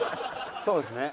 そうですね。